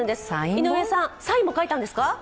井上さん、サインも書いたんですか？